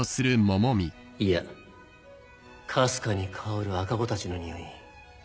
いやかすかに香る赤子たちのにおい。